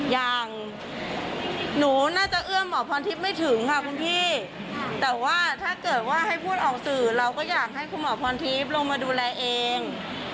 อย่างหนูน่าจะเอื้อมหมอพรทิพย์ไม่ถึงค่ะคุณพี่แต่ว่าถ้าเกิดว่าให้พูดออกสื่อเราก็อยากให้คุณหมอพรทิพย์ลงมาดูแลเอง